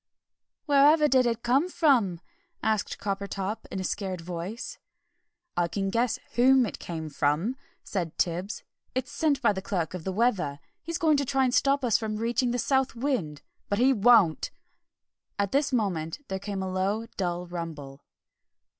"Wherever did it come from?" asked Coppertop in a scared voice. "I can guess whom it came from," said Tibbs; "it's sent by the Clerk of the Weather. He's going to try and stop us reaching the South Wind. But he won't!" At this moment there came a low, dull rumble.